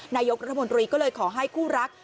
นายกรัฐมนตรีก็เลยขอให้คู่รัก